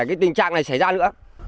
cái tình trạng này xảy ra nữa